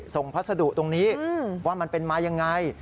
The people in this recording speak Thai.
พัสดุตรงนี้ว่ามันเป็นมายังไง